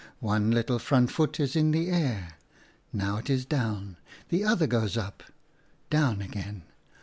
One little front foot is in the air ; now it is down ; the other goes up ; down again.